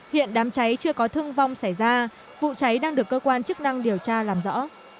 hiện đám cháy chưa có thương vong xảy ra vụ cháy đang được cơ quan chức năng điều tra làm rõ